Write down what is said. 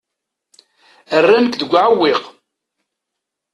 Rran-k deg uɛewwiq.